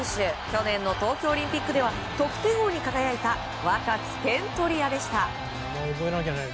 去年の東京オリンピックでは得点王に輝いた若き点取り屋でした。